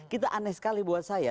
kita aneh sekali buat saya